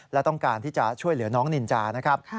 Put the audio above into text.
และต้องการที่จะช่วยเหลือน้องนินจานะครับ